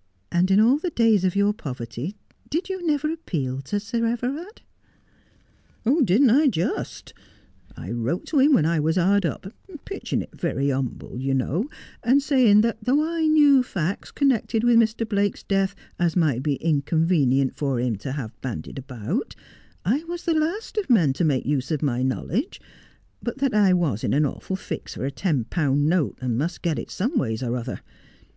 ' And in all the days of your poverty did you never appeal to Sir Everard 1 '' Didn't I, just ? I wrote to him when I was hard up, pitching it very humble you know, and saying that though I knew facts connected with Mr. Blake's death as might be inconvenient for him to have bandied about, I was the last of men to make use of my knowledge, but that I was in an awful fix for a ten pound note, and must get it some ways or other.